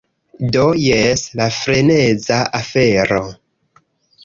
Do, jes la freneza afero